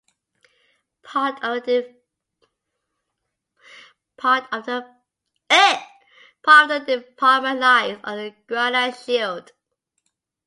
Part of the department lies on the Guiana Shield.